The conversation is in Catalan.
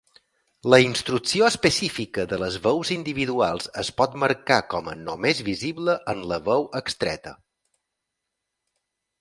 La instrucció específica de les veus individuals es pot marcar com a "només visible en la veu extreta".